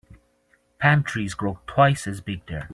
Palm trees grow twice as big there.